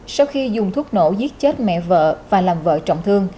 sau khi dùng thuốc nổ giết chết mẹ vợ và làm vợ trọng thương